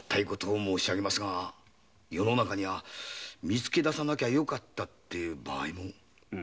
申し上げますが世の中には見つけ出さなきゃよかったっていう場合も。